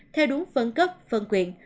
theo đúng phân cấp phân quyền